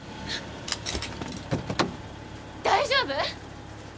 大丈夫！？